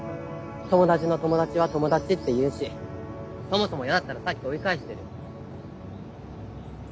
友達の友達は友達っていうしそもそも嫌だったらさっき追い返してる。